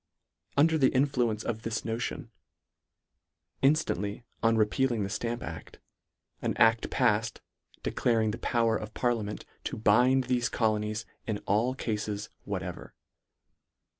Under the influence of this notion, inftant ly on repealing the Stamp act , an adl palfed, declaring the power of parliament to bind thefe colonies in all cafes whatever.